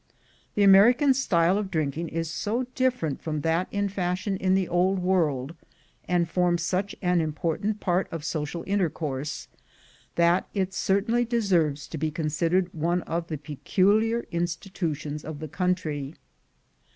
The American style of drinking is so different from that in fashion in the Old World, and forms such an important part of social intercourse, that it certainly deserves to be considered one of the peculiar institu tions of the country.